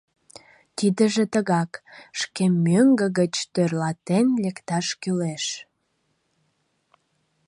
Тидыже тыгак, шкем мӧҥгӧ гыч тӧрлатен лекташ кӱлеш.